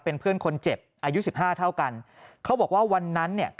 เป็นเพื่อนคนเจ็บอายุสิบห้าเท่ากันเขาบอกว่าวันนั้นเนี่ย